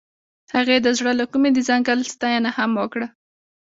هغې د زړه له کومې د ځنګل ستاینه هم وکړه.